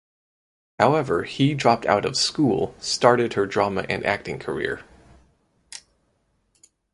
However he dropped out of school started her drama and acting career.